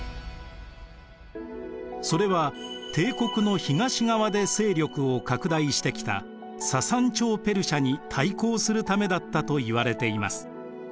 それは帝国の東側で勢力を拡大してきたササン朝ペルシアに対抗するためだったといわれています。